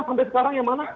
sampai sekarang yang mana